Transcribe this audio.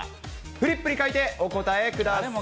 フリップに書いてお答えください。